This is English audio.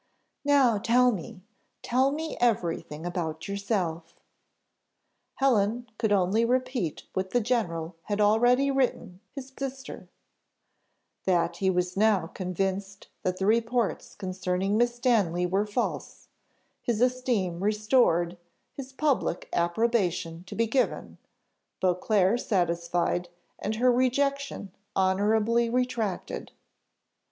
"Now tell me tell me everything about yourself." Helen could only repeat what the general had already written to her sister that he was now convinced that the reports concerning Miss Stanley were false, his esteem restored, his public approbation to be given, Beauclerc satisfied, and her rejection honourably retracted.